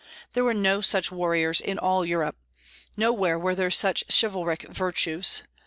There were no such warriors in all Europe. Nowhere were there such chivalric virtues.